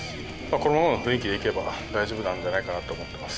このままの雰囲気でいけば、大丈夫なんじゃないかなと思ってます。